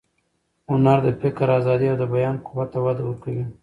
هنر د فکر ازادي او د بیان قوت ته وده ورکوي.